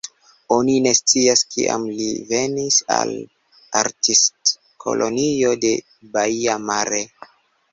Oni ne scias, kiam li venis al Artistkolonio de Baia Mare.